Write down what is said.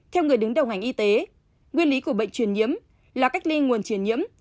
theo người đứng đầu ngành y tế nguyên lý của bệnh truyền nhiễm là cách ly nguồn truyền nhiễm